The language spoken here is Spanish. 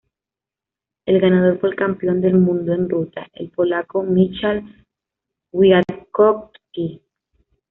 El ganador fue el campeón del mundo en ruta, el polaco Michał Kwiatkowski.